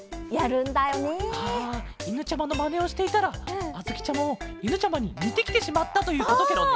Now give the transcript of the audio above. はあいぬちゃまのまねをしていたらあづきちゃまもいぬちゃまににてきてしまったということケロね？